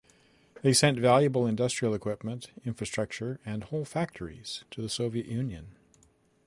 They sent valuable industrial equipment, infrastructure and whole factories to the Soviet Union.